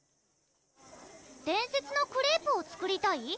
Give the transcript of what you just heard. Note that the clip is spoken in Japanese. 「伝説のクレープ」を作りたい？